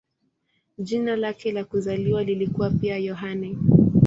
Jina lake la kuzaliwa lilikuwa pia "Yohane".